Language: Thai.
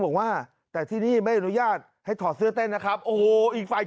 บอกว่าแต่ที่นี่ไม่อนุญาตให้ถอดเสื้อเต้นนะครับโอ้โหอีกฝ่าย